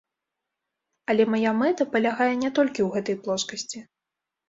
Але мая мэта палягае не толькі ў гэтай плоскасці.